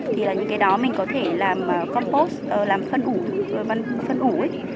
thì là những cái đó mình có thể làm compost làm phân ủ